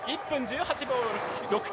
１分１８秒６９。